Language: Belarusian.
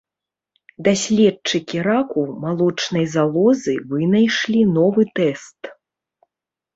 Даследчыкі раку малочнай залозы вынайшлі новы тэст.